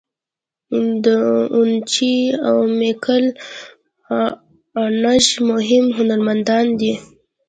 داوینچي او میکل آنژ مهم هنرمندان دي.